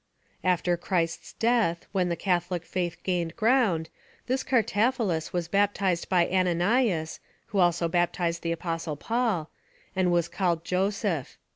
After Christ's death, when the Catholic faith gained ground, this Cartaphilus was baptized by Ananias (who also baptized the Apostle Paul), and was called Joseph.